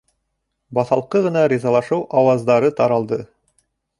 Баҫалҡы ғына ризалашыу ауаздары таралды.